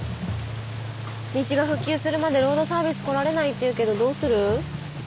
道が復旧するまでロードサービス来られないっていうけどどうする？